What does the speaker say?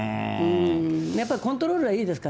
やっぱりコントロールがいいです